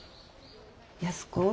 安子。